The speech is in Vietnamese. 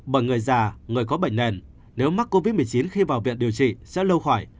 bởi người già người có bệnh nền nếu mắc covid một mươi chín khi vào viện điều trị sẽ lâu khỏi